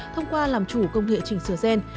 thông qua làm chủ công nghệ trình sửa ren